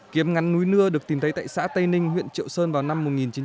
kiếm ngắn núi nưa được tìm thấy tại xã tây ninh huyện triệu sơn vào năm một nghìn chín trăm bảy mươi